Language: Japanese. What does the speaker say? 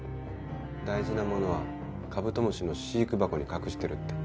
大事なものはカブトムシの飼育箱に隠してるって。